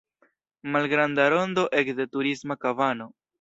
Malgranda rondo ekde Turisma kabano.